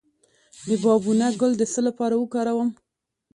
د بابونه ګل د څه لپاره وکاروم؟